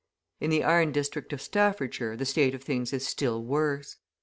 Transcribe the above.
{200b} In the iron district of Staffordshire the state of things is still worse.